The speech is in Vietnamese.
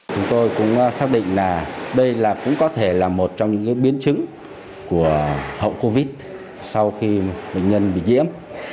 chúng tôi cũng xác định là đây cũng có thể là một trong những biến chứng của hậu covid sau khi bệnh nhân bị nhiễm